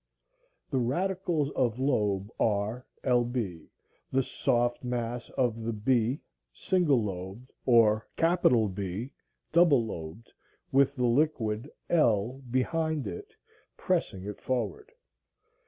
The radicals of lobe are lb, the soft mass of the b (single lobed, or B, double lobed,) with the liquid l behind it pressing it forward.